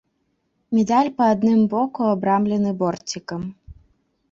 Медаль па адным боку абрамлены борцікам.